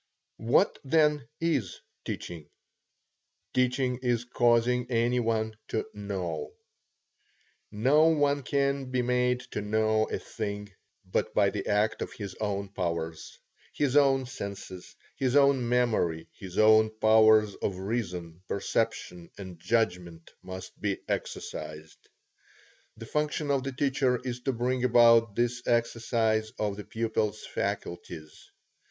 What, then, is teaching? Teaching is causing any one to know. Now no one can be made to know a thing but by the act of his own powers. His own senses, his own memory, his own powers of reason, perception, and judgment, must be exercised. The function of the teacher is to bring about this exercise of the pupil's faculties.